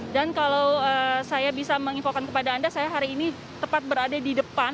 dan kalau saya bisa mengifokan kepada anda saya hari ini tepat berada di depan